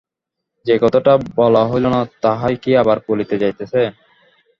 যে কথাটা বলা হইল না, তাহাই কি আবার বলিতে যাইতেছে।